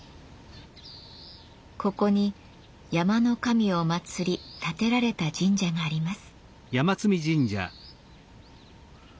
ここに山の神を祭り建てられた神社があります。